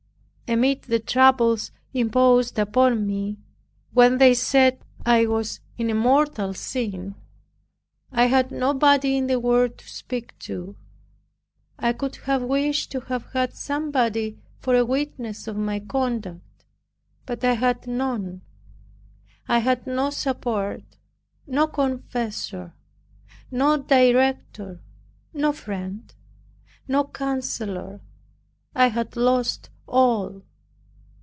Amid the troubles imposed upon me, when they said, I "was in a mortal sin," I had nobody in the world to speak to. I could have wished to have had somebody for a witness of my conduct; but I had none. I had no support, no confessor, no director, no friend, no councillor. I had lost all.